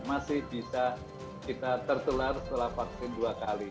masih bisa kita tertular setelah vaksin dua kali